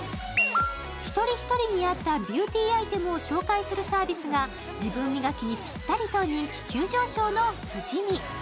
一人一人に合ったビューティーアイテムを紹介するサービスが自分磨きにぴったりと人気急上昇中のＦＵＪＩＭＩ。